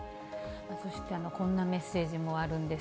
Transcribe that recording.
そしてこんなメッセージもあるんです。